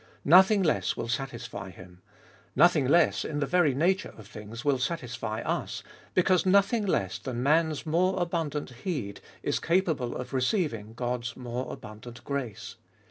Nothing less will satisfy Him; nothing less, in the very nature of things, will satisfy us, because nothing less than man's more abundant heed is capable of receiving God's more abundant grace.